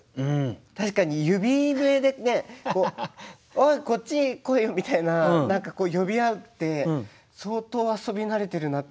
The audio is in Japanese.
確かに指笛でね「おいこっち来いよ」みたいな呼び合うって相当遊び慣れてるなって。